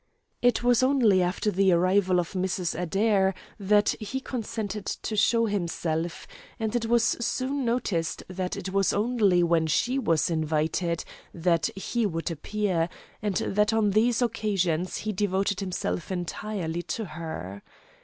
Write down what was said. It was only after the arrival of Mrs. Adair that he consented to show himself, and it was soon noted that it was only when she was invited that he would appear, and that on these occasions he devoted himself entirely to her.